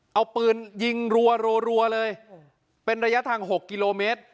เออเอาปืนยิงรัวรัวรัวเลยเป็นระยะทางหกกิโลเมตร